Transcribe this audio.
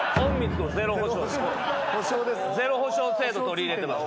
０保証制度取り入れてます。